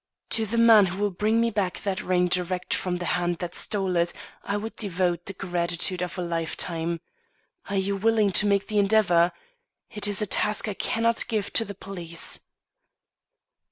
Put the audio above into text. To the man who will bring me back that ring direct from the hand that stole it, I would devote the gratitude of a lifetime. Are you willing to make the endeavor? It is a task I cannot give to the police."